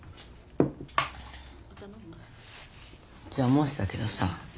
じゃあもしだけどさ